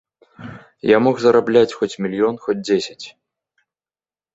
Я мог зарабляць хоць мільён, хоць дзесяць.